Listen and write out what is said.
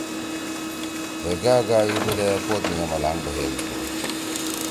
ہے گا گا ای بودا اے پوت می اے ملانگ بھئیل تُھو۔